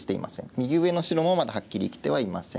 右上の白もまだはっきり生きてはいません。